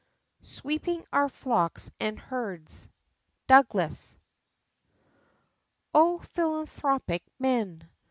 "Sweeping our flocks and herds." DOUGLAS. O Philanthropic men!